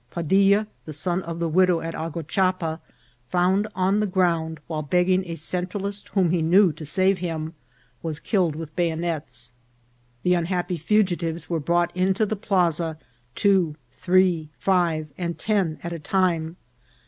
Padilla, the son of the widow at Agua chapa, found on the ground, while begging a Centralist whom he knew to save him, was killed with bayonets. The unhappy fugitives were brought into the plaza two, three, five, and ten at a time.